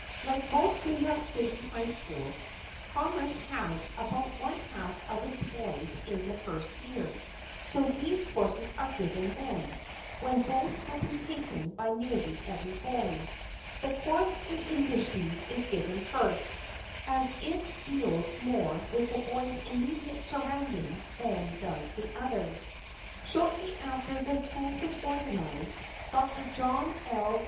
Like most New York City high schools, Commerce has about one half of its boys in the first year, so these courses are given then, when both will be taken by nearly every boy. The course in industries is given first, as it deals more with the boys' immediate surroundings than does the other. Shortly after the school was organized, Dr. John L.